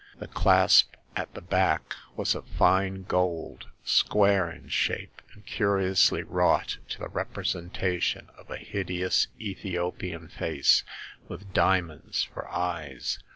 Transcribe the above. The clasp at the back was of fine gold, square in shape, and curiously wrought to the representation of a hideous Ethiopian face, with diamonds for eyes.